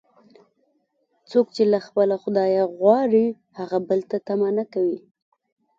څوک یې چې له خپله خدایه غواړي، هغه بل ته طمعه نه کوي.